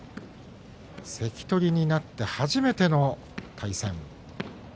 関取になって初めての対戦。